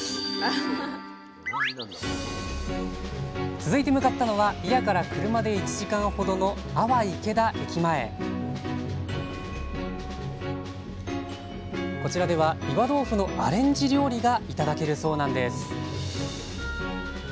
続いて向かったのは祖谷から車で１時間ほどの阿波池田駅前こちらでは岩豆腐のアレンジ料理が頂けるそうなんです